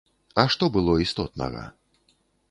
А што было істотнага?